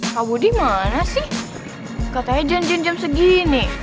kau dimana sih katanya janjian jam segini